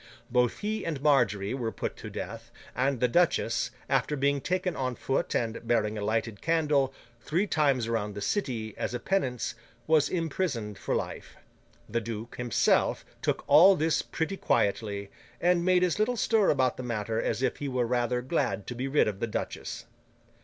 Both he and Margery were put to death, and the duchess, after being taken on foot and bearing a lighted candle, three times round the City, as a penance, was imprisoned for life. The duke, himself, took all this pretty quietly, and made as little stir about the matter as if he were rather glad to be rid of the duchess.